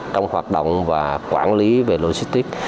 trong hoạt động và quản lý về logistics